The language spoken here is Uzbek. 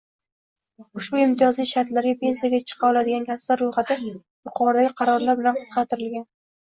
Ushbu imtiyozli shartlarda pensiyaga chiqa oladigan kasblar roʻyxati yuqoridagi qarorlar bilan qisqartirilgan.